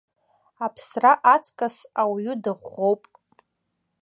Аԥсра аҵкыс ауаҩы дыӷәӷәоуп.